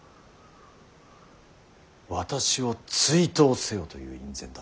私を追討せよという院宣だ。